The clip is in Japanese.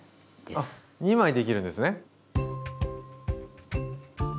あ２枚できるんですね。